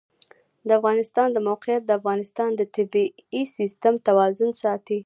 د افغانستان د موقعیت د افغانستان د طبعي سیسټم توازن ساتي.